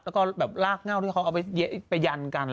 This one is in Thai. แล้วก็แบบลากเง่าที่เขาเอาไปยันกัน